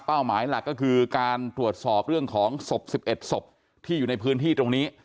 หมายหลักก็คือการตรวจสอบเรื่องของศพ๑๑ศพที่อยู่ในพื้นที่ตรงนี้